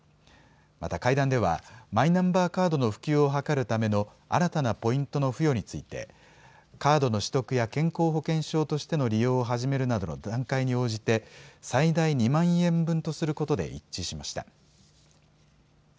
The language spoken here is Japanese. また会談ではマイナンバーカードの普及を図るための新たなポイントの付与についてカードの取得や健康保険証としての利用を始めるなどの段階に応じて最大２万円分とすることで一致しました。